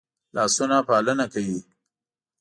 لاسونه پالنه کوي